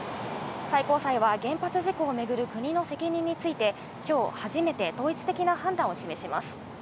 最高裁は原発事故をめぐる国の責任について今日初めて統一的な判断を示します。